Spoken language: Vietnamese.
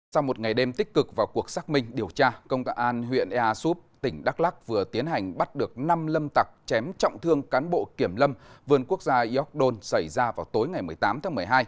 sau một ngày đêm tích cực vào cuộc xác minh điều tra công an huyện ea súp tỉnh đắk lắc vừa tiến hành bắt được năm lâm tặc chém trọng thương cán bộ kiểm lâm vườn quốc gia york don xảy ra vào tối ngày một mươi tám tháng một mươi hai